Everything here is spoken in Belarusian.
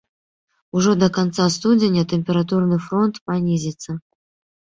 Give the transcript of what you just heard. Ужо да канца студзеня тэмпературны фронт панізіцца.